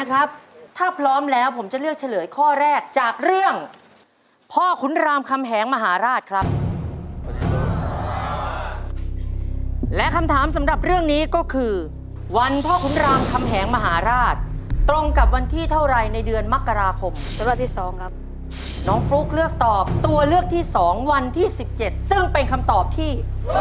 ขักสรุกเหลือประมาณ๕๐๐๐บาทครับและคำถามสำหรับเรื่องนี้ก็คือวันพ่อคุณรามคำแหงมหาราชตรงกับวันที่เท่าไรในเดือนมกราคมและที่ที่สองน้องฟลูกเลือกตอบตัวเลือกที่๒วันที่๑๗ซึ่งเป็นคำตอบที่